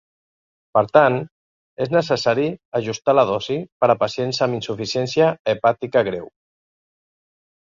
Per tant, és necessari ajustar la dosi per a pacients amb insuficiència hepàtica greu.